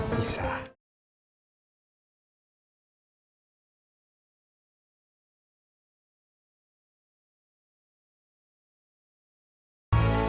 baik pak raymond